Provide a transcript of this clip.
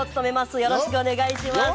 よろしくお願いします。